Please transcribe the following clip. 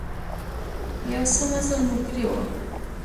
يو څه مزل مو کړى و.